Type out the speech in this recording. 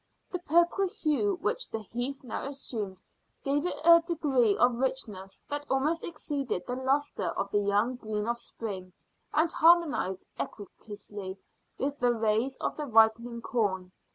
The purple hue which the heath now assumed gave it a degree of richness that almost exceeded the lustre of the young green of spring, and harmonised exquisitely with the rays of the ripening corn.